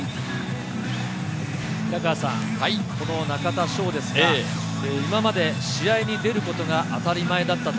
中田翔ですが、今まで試合に出ることが当たり前だった。